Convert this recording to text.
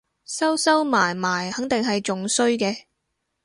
收收埋埋肯定係仲衰嘅